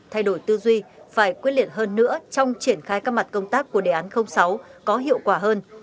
thay đổi tư duy phải quyết liệt hơn nữa trong triển khai các mặt công tác của đề án sáu có hiệu quả hơn